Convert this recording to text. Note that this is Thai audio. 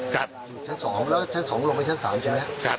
สำรวจเท้า๒ลงมาชั้น๓ใช่ไหม